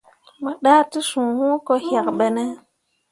Mo ɗah tesũũ huro yak ɓene.